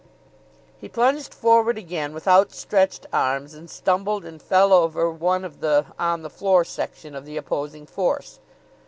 He plunged forward again with outstretched arms, and stumbled and fell over one of the on the floor section of the opposing force.